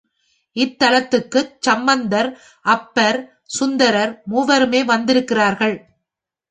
இத்தலத்துக்குச் சம்பந்தர், அப்பர், சுந்தரர், மூவருமே வந்திருக்கிறார்கள்.